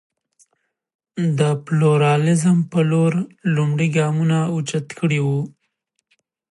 د پلورالېزم په لور لومړ ګامونه اوچت کړي وو.